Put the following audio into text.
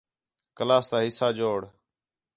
کلاس تا حِصّہ جوڑ